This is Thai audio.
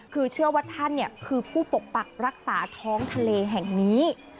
คือเชื่อว่าท่านคือผู้ปกปักรักษาท้องทะเลแห่งนี้